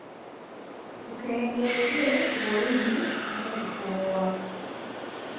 Kukendeeza ku bulumi n’okukoowa.